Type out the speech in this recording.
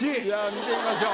見てみましょう。